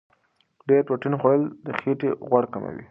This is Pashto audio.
ډېر پروتین خوړل د خېټې غوړ کموي.